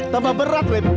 tambah berat rep